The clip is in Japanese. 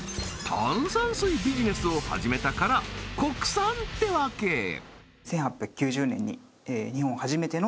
炭酸水ビジネスを始めたから国産ってわけします